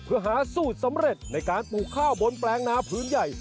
เพื่อหาสูตรสำเร็จในการปลูกข้าวบนแปลงนาพื้นใหญ่